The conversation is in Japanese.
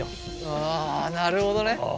あなるほどね。あ。